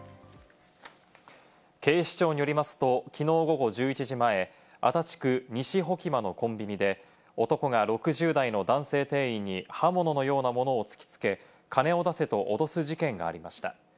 警視庁によりますと、きのう午後１１時前、足立区西保木間のコンビニで、男が６０代の男性店員に刃物のようなものを突きつけ、金を出せと脅す事件がありました。